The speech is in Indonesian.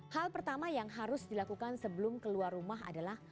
hal pertama yang harus dilakukan sebelum keluar rumah adalah